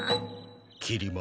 きり丸。